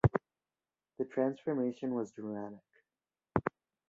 The transformation was dramatic.